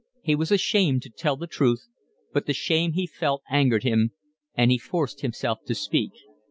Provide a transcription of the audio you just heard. He was ashamed to tell the truth, but the shame he felt angered him, and he forced himself to speak.